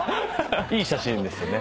いい写真ですよね。